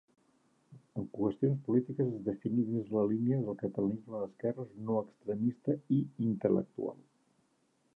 En qüestions polítiques es definí dins la línia del catalanisme d'esquerres no extremista i intel·lectual.